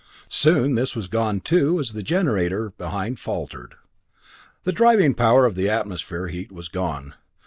Soon this was gone too, as the generator behind faltered. The driving power of the atmospheric heat was gone.